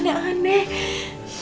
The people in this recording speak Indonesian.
jangan mikir yang aneh aneh